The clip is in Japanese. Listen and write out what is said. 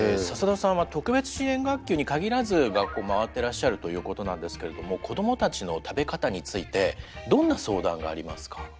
笹田さんは特別支援学級に限らず学校を回ってらっしゃるということなんですけれども子どもたちの食べ方についてどんな相談がありますか？